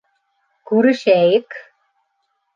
Күрешәйек!